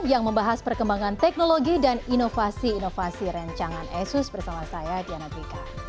yang membahas perkembangan teknologi dan inovasi inovasi rencangan asus bersama saya diana prika